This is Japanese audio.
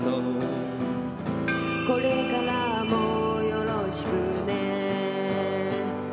「これからもよろしくね」